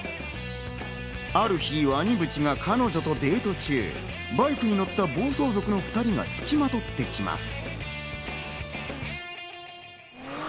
ある日、鰐淵が彼女とデート中、バイクに乗った暴走族の２人がつきまとってきます。